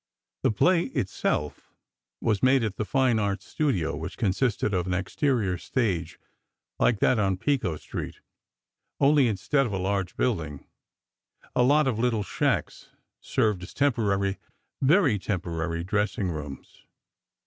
The play itself was made at the Fine Arts studio, which consisted of an exterior stage like that on Pico Street—only, instead of a large building, a lot of little shacks served as temporary, very temporary, dressing rooms.